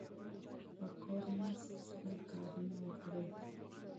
په کور ناست خپل کارونه وکړئ.